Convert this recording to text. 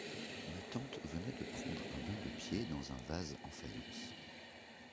Ma tante venait de prendre un bain de pieds dans un vase en faïence.